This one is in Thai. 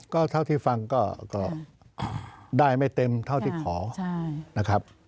ก็เท่าที่ฟังก็ได้ไม่เต็มเท่าที่ขอนะครับ